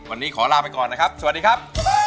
วันนี้ขอลาไปก่อนนะครับสวัสดีครับ